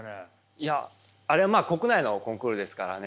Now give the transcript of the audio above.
いやあれはまあ国内のコンクールですからね。